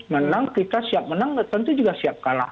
menang kita siap menang tentu juga siap kalah